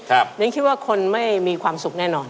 นิ้งคิดว่าคนไม่มีความสุขแน่นอน